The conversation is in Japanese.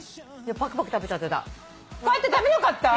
パクパク食べちゃってた。